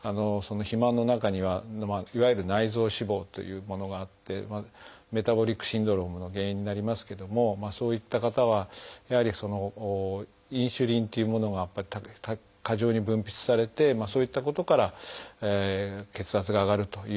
肥満の中にはいわゆる内臓脂肪というものがあってメタボリックシンドロームの原因になりますけどもそういった方はやはりインスリンというものが過剰に分泌されてそういったことから血圧が上がるというようなこともいわれています。